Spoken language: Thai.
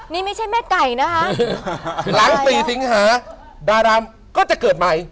นี่ไม่ใช่แม่ไก่นะคะหลังสี่สิงหาดารามก็จะเกิดใหม่